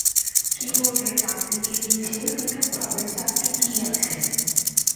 কী বোর্ডের ডান দিকে নিচে পৃথক ভাবে চারটি কী আছে।